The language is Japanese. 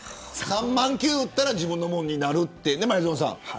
３万球打ったら自分のものになるって。